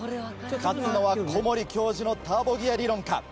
勝つのは小森教授のターボギア理論か？